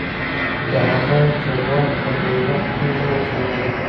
دهغه جبار په دوزخ کې نه اچوم.